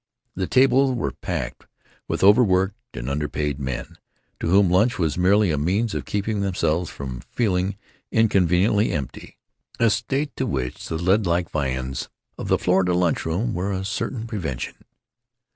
The tables were packed with over worked and underpaid men, to whom lunch was merely a means of keeping themselves from feeling inconveniently empty—a state to which the leadlike viands of the Florida Lunch Room were a certain prevention.